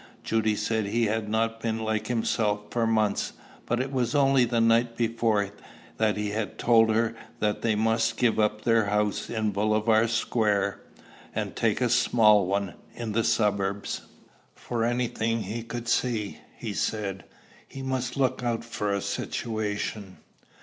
Judy said he had not been like himself for months; but it was only the night before that he had told her they must give up their house in Bolivar Square, and take a small one in the suburbs. For any thing he could see, he said, he must look out for a situation.